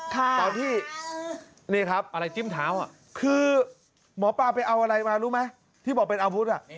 ตอนที่นี่ครับคือหมอปลาไปเอาอะไรมารู้ไหมที่บอกเป็นอาวุธ